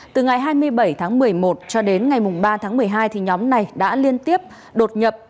từ ngày hai mươi bảy tháng một mươi một cho đến ngày ba tháng một mươi hai thì nhóm này đã liên tiếp đột nhập